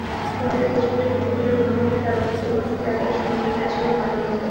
ঘরের পেছনের পুকুরের ভাঙনের কারণে দুই বছর আগে সীমানাপ্রাচীরে ফাটল ধরে।